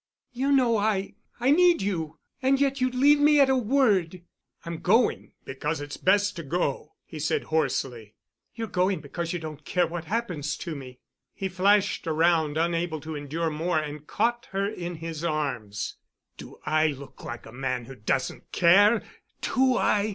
"You know I—I need you—and yet you'd leave me at a word." "I'm going—because it's best to go," he said hoarsely. "You're going because you don't care what happens to me." He flashed around, unable to endure more, and caught her in his arms. "Do I look like a man who doesn't care? Do I?"